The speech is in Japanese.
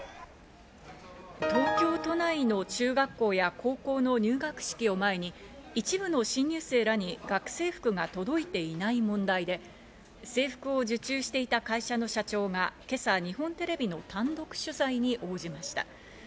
東京都内の中学校や高校の入学式を前に、一部の新入生らに学生服が届いていない問題で、制服を受注していた会社の社長が今朝、日本テレビの単独取材に応じました。